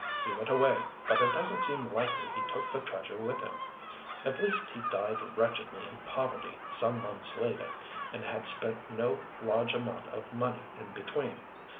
He went away, but it doesn't seem likely he took the treasure with him. At least he died wretchedly in poverty some months later, and had spent no large amount of money in between.